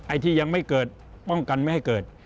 ที่ยังไม่เกิดป้องกันไม่ให้เกิด